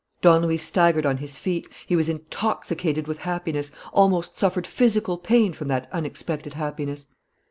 Don Luis staggered on his feet. He was intoxicated with happiness, almost suffered physical pain from that unexpected happiness.